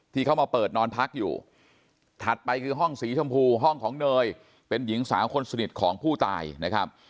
ที่เขามาเปิดนอนพักอยู่ถัดไปคือห้องสีชมพูห้องของเนยเป็นหญิงสาวคนสนิทของผู้ตายนะครับ